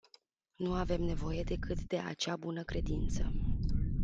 Nu avem nevoie decât de acea bună-credință.